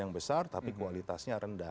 yang besar tapi kualitasnya rendah